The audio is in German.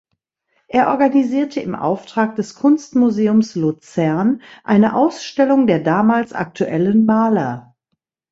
Er organisierte im Auftrag des Kunstmuseums Luzern eine Ausstellung der damals aktuellen Maler.